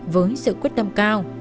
với sự quyết tâm cao